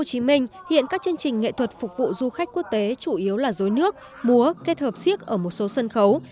hồ chí minh hiện các chương trình nghệ thuật phục vụ du khách quốc tế chủ yếu là dối nước múa kết hợp siếc ở một số sân khấu